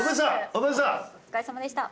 お疲れさまでした。